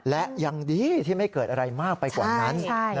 และยังดีที่ไม่เกิดอะไรมากไปกว่านั้น